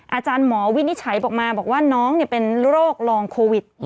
อาจารย์หมอวินิจฉัยออกมาบอกว่าน้องเป็นโรคลองโควิด